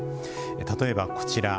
例えば、こちら。